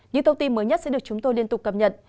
những thông tin mới nhất sẽ được chúng tôi liên tục cập nhật